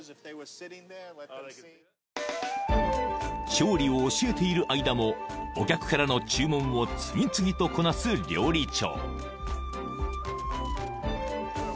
［調理を教えている間もお客からの注文を次々とこなす料理長］